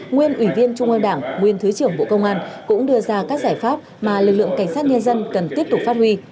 nguyên ủy viên trung ương đảng nguyên thứ trưởng bộ công an cũng đưa ra các giải pháp mà lực lượng cảnh sát nhân dân cần tiếp tục phát huy